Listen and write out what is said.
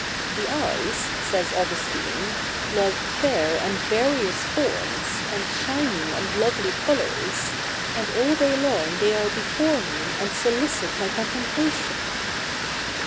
The eyes, says Augustine, love fair and various forms, and shining and lovely colours ; and all day long they are before me, and solicit my contempla tion.